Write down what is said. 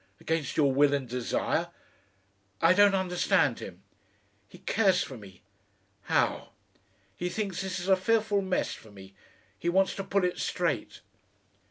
against your will and desire?... I don't understand him." "He cares for me." "How?" "He thinks this is a fearful mess for me. He wants to pull it straight."